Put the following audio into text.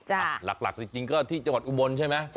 หลักจริงก็ที่จังหวัดอุบลใช่ไหม